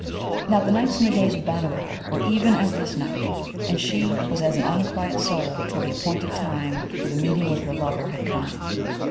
Now, the nights and the days of Bhanavar were even as this night, and she was as an unquiet soul till the appointed time for the meeting with her lover had come.